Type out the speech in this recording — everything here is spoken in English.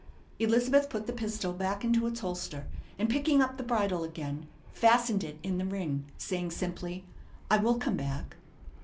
Elizabeth put the pistol back into its holster and, picking up the bridle again, fastened it in the ring, saying simply, "I will come back."